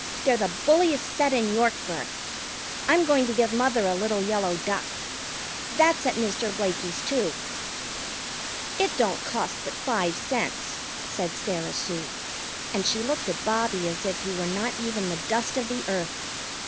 They're the bulliest set in Yorkburg. I'm going to give mother a little yellow duck. That's at Mr. Blakey's, too." "It don't cost but five cents," said Sarah Sue, and she looked at Bobbie as if he were not even the dust of the earth.